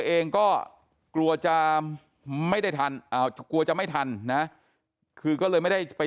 เองก็กลัวจะไม่ได้ทันอ่ากลัวจะไม่ทันนะคือก็เลยไม่ได้ไป